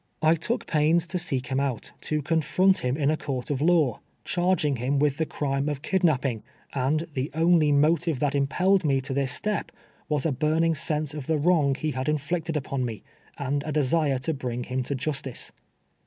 I took pains to seek liim out, to confront him in a court of law, charging him with the crime of kidnap ping ; and the only motive that innpelled me to this step, was a burning sense of the wrong he had inflict ed upon me, and a desire to bring him to justice.